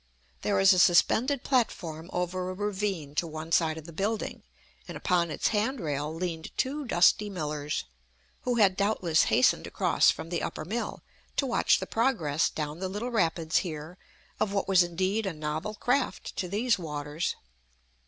There is a suspended platform over a ravine, to one side of the building, and upon its handrail leaned two dusty millers, who had doubtless hastened across from the upper mill, to watch the progress down the little rapids here of what was indeed a novel craft to these waters.